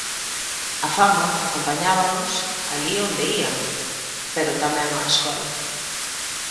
A fama acompañábaos alí onde ían, pero tamén a escola.